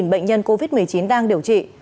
bệnh nhân covid một mươi chín đang điều trị